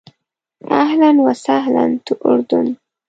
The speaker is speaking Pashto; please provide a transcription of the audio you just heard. اهلاً و سهلاً ټو اردن.